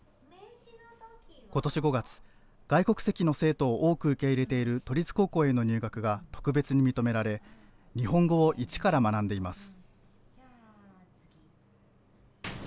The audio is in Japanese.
ことし５月、外国籍の生徒を多く受け入れている都立高校への入学が特別に認められ日本語をいちから学んでいます。